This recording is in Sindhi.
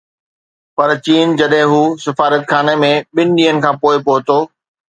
پرچين جڏهن هو سفارتخاني ۾ ٻن ڏينهن کان پوءِ پهتو